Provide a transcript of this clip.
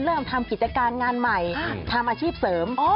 เริ่มทำกิจการงานใหม่ทำอาชีพเสริม